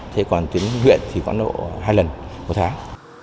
thế còn tuyến huyện thì khoảng độ hai lần một tháng